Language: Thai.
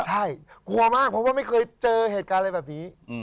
ใช่กลัวมากเพราะว่าไม่เคยเจอเหตุการณ์อะไรแบบนี้